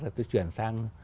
là tôi chuyển sang